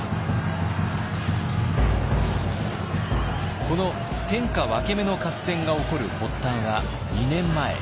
この天下分け目の合戦が起こる発端は２年前。